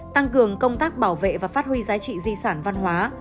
tăng cường công tác bảo vệ và phát huy giá trị di sản văn hóa